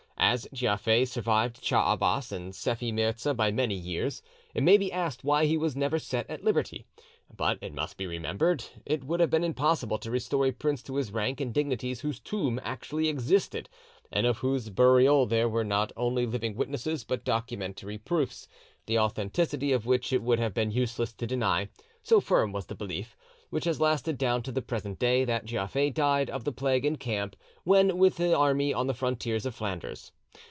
As Giafer survived Cha Abas and Sephi Mirza by many years, it may be asked why he was never set at liberty; but it must be remembered it would have been impossible to restore a prince to his rank and dignities whose tomb actually existed, and of whose burial there were not only living witnesses but documentary proofs, the authenticity of which it would have been useless to deny, so firm was the belief, which has lasted down to the present day, that Giafer died of the plague in camp when with the army on the frontiers of Flanders.